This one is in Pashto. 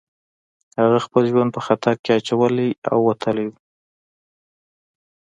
هغه خپل ژوند په خطر کې اچولی او وتلی و